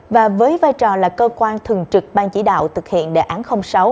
và với vai trò là cơ quan thường trực ban chỉ đạo thực hiện đề án sáu